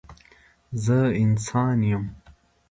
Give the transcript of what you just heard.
زه انسانه یم.